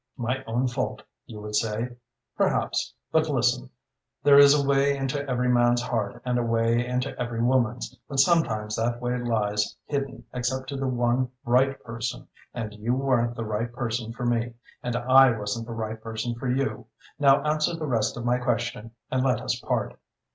My own fault, you would say? Perhaps. But listen. There is a way into every man's heart and a way into every woman's, but sometimes that way lies hidden except to the one right person, and you weren't the right person for me, and I wasn't the right person for you. Now answer the rest of my question and let us part."